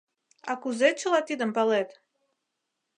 — А кузе чыла тидым палет?